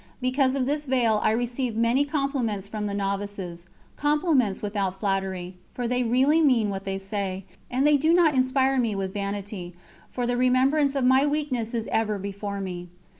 Because of this veil I receive many compliments from the novices compliments without flattery, for they really mean what they say; and they do not inspire me with vanity, for the remembrance of my weakness is ever before me.